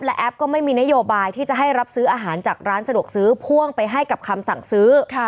และแอปก็ไม่มีนโยบายที่จะให้รับซื้ออาหารจากร้านสะดวกซื้อพ่วงไปให้กับคำสั่งซื้อ